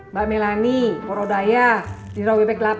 mbak melani porodaya di robb delapan